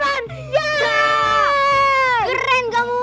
dia tidak terbunuh